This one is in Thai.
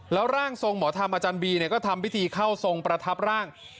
แล้วร่างทรงหมอธรรมอาจารย์บีก็ทำพิธีเข้าทรงประทับร่าง